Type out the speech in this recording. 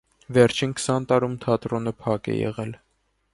Վերջին քսան տարում թատրոնը փակ է եղել։